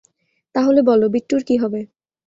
তাহলে বলো, বিট্টুর কি হবে?